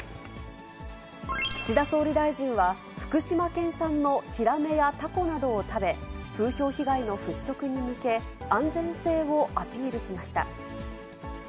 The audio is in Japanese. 岸田総理大臣は、福島県産のヒラメやタコなどを食べ、風評被害の払拭に向け、安全性をアピールしました。